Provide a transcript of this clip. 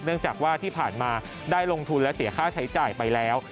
เนื่องจากว่าที่ผ่านมาได้ลงทุนและเสียค่าใช้จ่ายไปแล้ว